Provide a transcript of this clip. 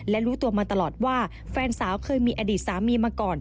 และรู้ตัวมาตลอดว่าแฟนสาวเคยมีอดีตสามีมาก่อน